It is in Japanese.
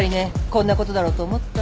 こんなことだろうと思った。